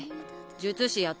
術師やっ